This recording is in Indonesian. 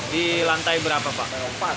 di lantai berapa pak